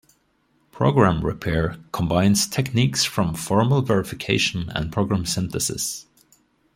Program repair combines techniques from formal verification and program synthesis.